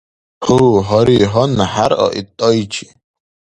Гьу, гьари, гьанна хӀеръа ит тӀайчи.